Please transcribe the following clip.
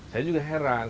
saya juga heran